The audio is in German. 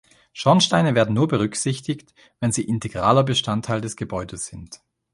Schornsteine werden nur berücksichtigt, wenn sie integraler Bestandteil des Gebäudes sind.